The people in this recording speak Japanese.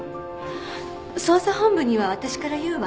捜査本部には私から言うわ。